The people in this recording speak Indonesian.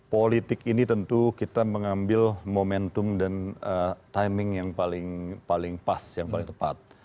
politik ini tentu kita mengambil momentum dan timing yang paling pas yang paling tepat